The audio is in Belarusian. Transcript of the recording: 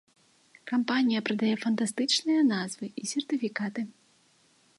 Кампанія прадае фантастычныя назвы і сертыфікаты.